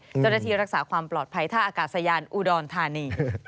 เจ้าหน้าที่รักษาความปลอดภัยท่าอากาศยานอุดรธานี